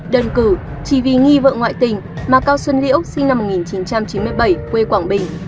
đơn cử chỉ vì nghi vợ ngoại tình mà cao xuân liễu sinh năm một nghìn chín trăm chín mươi bảy quê quảng bình